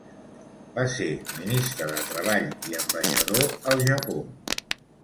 Va ser ministre de treball i ambaixador al Japó.